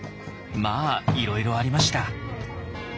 まあいろいろありました。